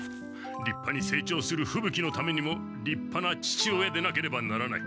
りっぱにせい長するふぶ鬼のためにもりっぱな父親でなければならない。